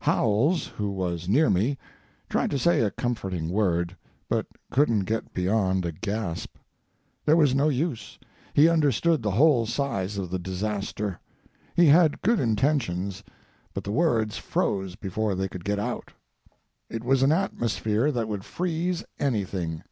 Howells, who was near me, tried to say a comforting word, but couldn't get beyond a gasp. There was no use—he understood the whole size of the disaster. He had good intentions, but the words froze before they could get out. It was an atmosphere that would freeze anything.